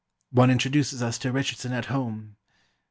One introduces us to Richardson at home.